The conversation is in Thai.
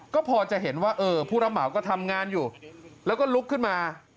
ก็พอจะเห็นว่าเออผู้รับเหมาก็ทำงานอยู่แล้วก็ลุกขึ้นมา